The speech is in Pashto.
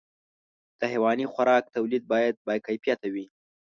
د حيواني خوراک توليد باید باکیفیته وي.